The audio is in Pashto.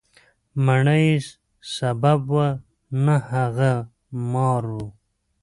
مڼه یې سبب وه، نه هغه مار و.